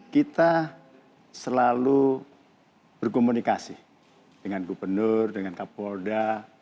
kita selalu berkomunikasi dengan gubernur dengan kapolda